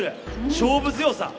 勝負強さ。